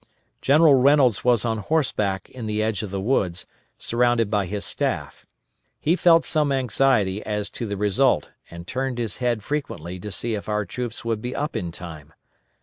General Reynolds was on horseback in the edge of the woods, surrounded by his staff. He felt some anxiety as to the result, and turned his head frequently to see if our troops would be up in time.